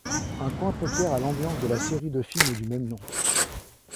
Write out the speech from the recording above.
Un coin poker à l'ambiance de la série de films du même nom.